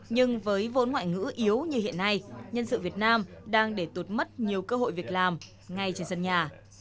nhưng với vốn ngoại ngữ yếu như hiện nay nhân sự việt nam đang để tụt mất nhiều cơ hội việc làm ngay trên sân nhà